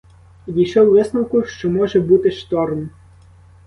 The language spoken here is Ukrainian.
І дійшов висновку, що може бути шторм.